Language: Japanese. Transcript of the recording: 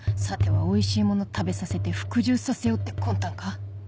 さてはおいしいもの食べさせて服従させようって魂胆か？